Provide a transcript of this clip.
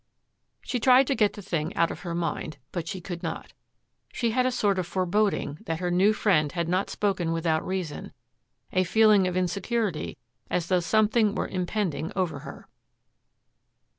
She tried to get the thing out of her mind, but she could not. She had a sort of foreboding that her new friend had not spoken without reason, a feeling of insecurity as though something were impending over her.